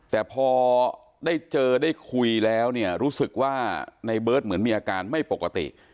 แต่พอได้เจอได้คุยแล้วเนี่ยรู้สึกว่าในเบิร์ตเหมือนมีอาการไม่ปกติ